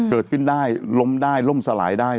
เกิดขึ้นได้ล้มได้ล่มสลายได้